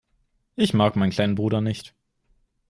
Ich mag meinen kleinen Bruder nicht.